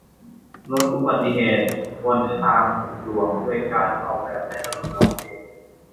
ลดอุบัติเหตุบนทางหลวงด้วยการออกแบบให้ถนนร้องเพลง